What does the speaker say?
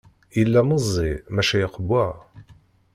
Yella meẓẓi maca iqewwa.